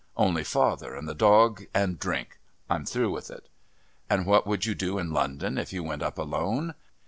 Only father and the 'Dog,' and drink. I'm through with it." "And what would you do in London if you went up alone?"